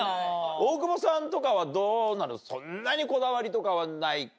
大久保さんとかはどうなの？